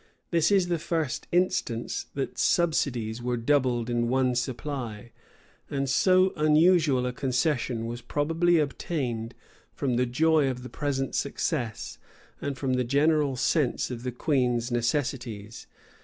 This is the first instance that subsidies were doubled in one supply; and so unusual a concession was probably obtained from the joy of the present success, and from the general sense of the queen's necessities.